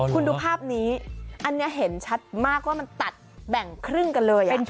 คุณดูภาพนี้อันนี้เห็นชัดมากว่ามันตัดแบ่งครึ่งกันเลย